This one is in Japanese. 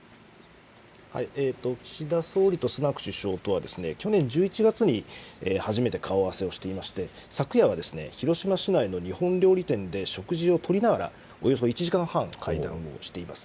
岸田総理とスナク首相とは去年１１月に初めて顔合わせをしていまして、昨夜は広島市内の日本料理店で食事をとりながら、およそ１時間半、会談をしています。